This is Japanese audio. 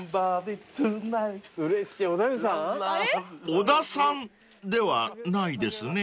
［織田さんではないですね］